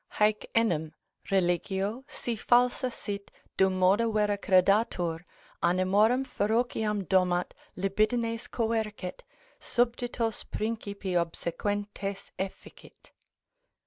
Haec enim (religio) si falsa sit, dummodo vera credatur, animorum ferociam domat, libidines coercet, subditos principi obsequentes efficit.